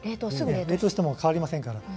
冷凍しても変わりませんから。